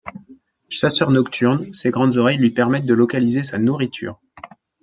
Chasseur nocturne, ses grandes oreilles lui permettent de localiser sa nourriture.